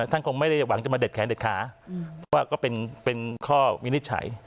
ท่านคงไม่ได้หวังจะมาเด็ดแขนเด็ดขาเพราะว่าก็เป็นข้อวินิจฉัย